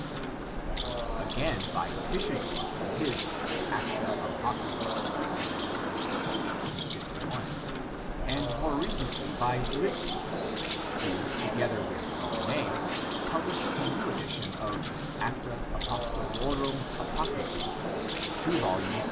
1700) ; again by Tischendorf in his Acta Apocrypha, Leipzig, 185 1 ; and more recently by Lip sius, who together with Bonnet, published a new edition of Acta Apostolorum Apocrypha, 2 Vols.